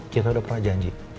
kita udah perjanji